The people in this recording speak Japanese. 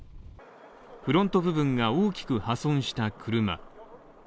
フロント部分が大きく破損した車。